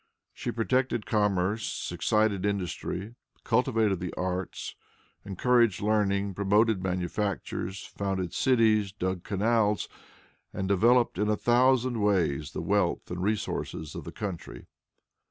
She protected commerce, excited industry, cultivated the arts, encouraged learning, promoted manufactures, founded cities, dug canals, and developed in a thousand ways the wealth and resources of the country.